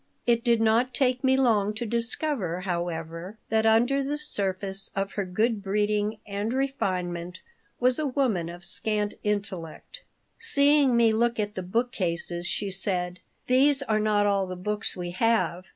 It did not take me long to discover, however, that under the surface of her good breeding and refinement was a woman of scant intellect Seeing me look at the book cases, she said: "These are not all the books we have.